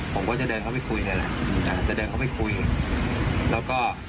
ผมก็จะเดินเข้าไปคุยนี่แหละจะเดินเข้าไปคุยแล้วก็